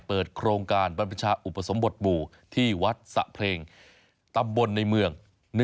เปิดโครงการบรรพชาอุปสมบทหมู่ที่วัดสะเพลงตำบลในเมือง